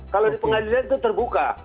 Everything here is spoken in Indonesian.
kalau di pengadilan itu terbuka